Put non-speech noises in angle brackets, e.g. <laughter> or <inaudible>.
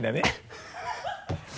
ハハハ <laughs>